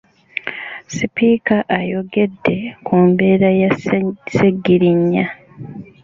Sipika ayogedde ku mbeera ya ssegirinnya.